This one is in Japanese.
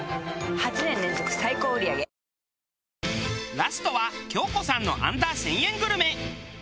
ラストは京子さんのアンダー１０００円グルメ。